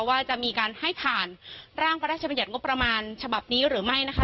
ว่าจะมีการให้ผ่านร่างพระราชบัญญัติงบประมาณฉบับนี้หรือไม่นะคะ